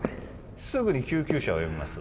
すぐに救急車を呼びます